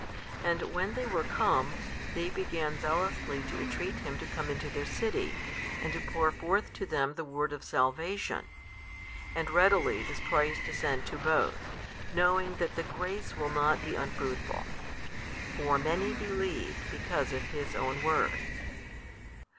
And when they were come, |231 they began zealously to entreat Him to come into their city, and to pour forth to them of the word of salvation; and readily does Christ assent to both, knowing that the grace will not be unfruitful. For many believed because of His own Word.